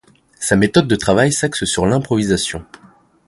Sa méthode de travail s'axe sur l'improvisation.